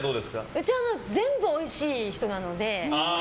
うちは全部おいしい人なので。